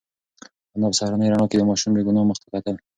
انا په سهارنۍ رڼا کې د ماشوم بې گناه مخ ته کتل.